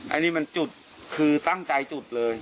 อันนี้มันจุดคือตั้งใจจุดเลย